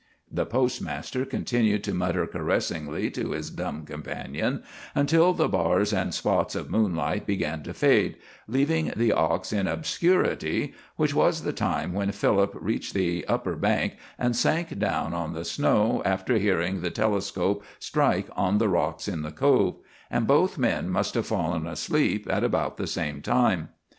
The postmaster continued to mutter caressingly to his dumb companion, until the bars and spots of moonlight began to fade, leaving the ox in obscurity, which was the time when Philip reached the upper bank and sank down on the snow, after hearing the telescope strike on the rocks in the Cove; and both men must have fallen asleep at about the same time.